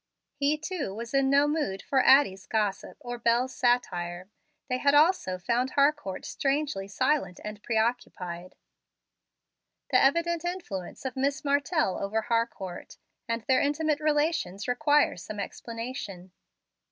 He, too, was in no mood for Addie's gossip or Bel's satire. They had also found Harcourt strangely silent and pre occupied. The evident influence of Miss Martell over Harcourt, and their intimate relations require some explanation.